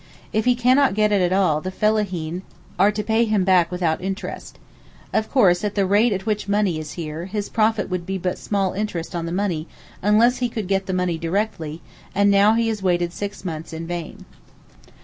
If he cannot get it at all the fellaheen are to pay him back without interest. Of course at the rate at which money is here, his profit would be but small interest on the money unless he could get the money directly, and he has now waited six months in vain.